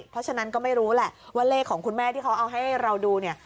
เพราะฉะนั้นก็ไม่รู้แหละว่าเลขของคุณแม่ที่เขาเอาให้เราดูเนี่ย